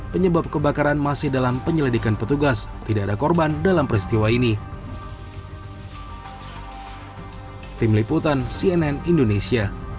penyebab kebakaran masih dalam penyelidikan petugas tidak ada korban dalam peristiwa ini